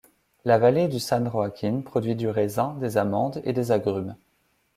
La vallée du San Joaquin produit du raisin, des amandes et des agrumes.